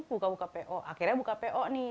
buka buka po akhirnya buka po nih